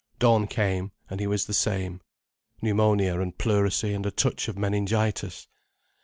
Dawn came, and he was the same. Pneumonia and pleurisy and a touch of meningitis.